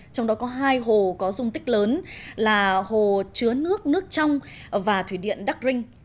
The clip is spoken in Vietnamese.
trong đó có hai hồ có dung tích lớn là hồ chứa nước nước trong và thủy điện đắc rinh